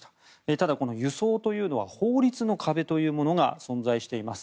ただ輸送というのは法律の壁というのが存在しています。